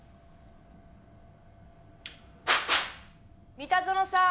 三田園さーん！